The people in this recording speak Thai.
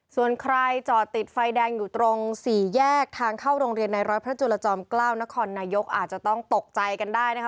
ส่วนใครจอดติดไฟแดงอยู่ตรงสี่แยกทางเข้าโรงเรียนในร้อยพระจุลจอม๙นครนายกอาจจะต้องตกใจกันได้นะคะ